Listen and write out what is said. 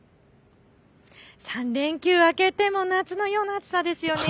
３連休明けても夏のような暑さですよね。